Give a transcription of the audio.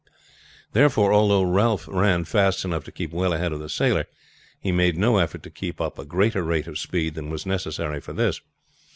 Therefore, although Ralph ran fast enough to keep well ahead of the sailor, he made no effort to keep up a greater rate of speed than was necessary for this.